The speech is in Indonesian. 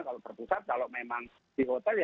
kalau berpusat kalau memang di hotel ya